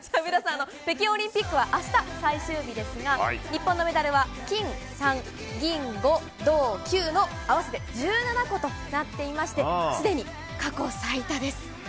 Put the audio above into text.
皆さん、北京オリンピックは明日最終日ですが日本のメダルは金３、銀５、銅９の合わせて１７個となっていましてすでに過去最多です。